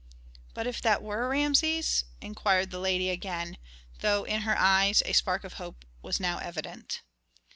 "But if that were Rameses?" inquired the lady again, though in her eyes a spark of hope was now evident.